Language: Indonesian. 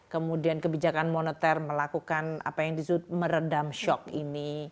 kemudian kebijakan moneter melakukan apa yang disebut meredam shock ini